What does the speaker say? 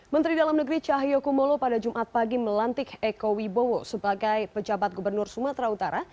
menteri dalam negeri cahyokumolo pada jumat pagi melantik eko wibowo sebagai pejabat gubernur sumatera utara